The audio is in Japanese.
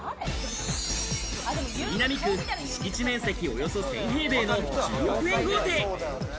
杉並区、敷地面積およそ１０００平米の１０億円豪邸。